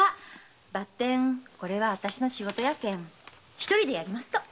ばってんこれはあたしの仕事やけん一人でやりますと。